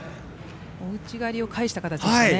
大内刈りを返した形ですね。